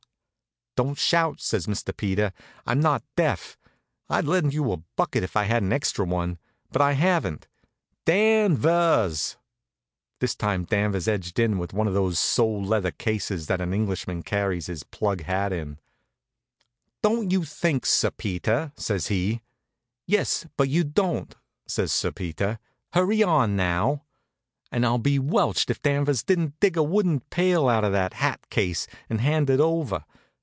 "Don't shout," says Sir Peter. "I'm not deaf. I'd lend you a bucket if I had an extra one; but I haven't. Danvers!" This time Danvers edged in with one of those sole leather cases that an Englishman carries his plug hat in. [Illustration: "Got his wheels all under cover," says I.] "Don't you think, Sir Peter " says he. "Yes; but you don't," says Sir Peter. "Hurry on, now!" And I'll be welched if Danvers didn't dig a wooden pail out of that hat case and hand it over.